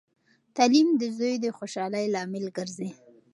تعلیم د زوی د خوشحالۍ لامل ګرځي.